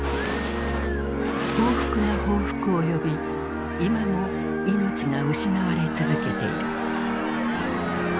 報復が報復を呼び今も命が失われ続けている。